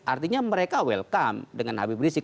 artinya mereka welcome dengan habib rizik